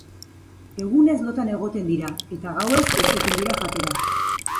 Egunez lotan egoten dira eta gauez irteten dira jatera.